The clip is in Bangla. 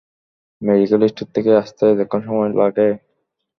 মেডিকেল স্টোর থেকে আসতে এতক্ষণ সময় লাগে?